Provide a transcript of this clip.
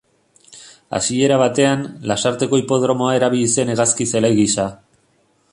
Hasiera batean, Lasarteko hipodromoa erabili zen hegazkin-zelai gisa.